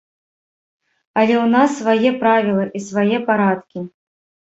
Але ў нас свае правілы і свае парадкі.